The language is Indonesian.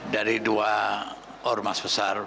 dari dua ormas besar